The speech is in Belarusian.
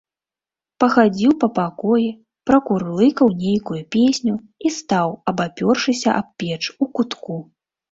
Пахадзіў па пакоі, пракурлыкаў нейкую песню і стаў, абапёршыся аб печ, у кутку.